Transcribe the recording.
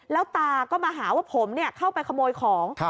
แล้วตาก็มาหาว่าผมเข้าไปขโมยของ